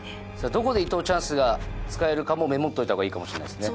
どこで伊藤チャンスが使えるかもメモっといた方がいいかもしれないですね。